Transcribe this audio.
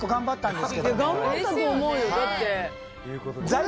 頑張ったと思うよだって。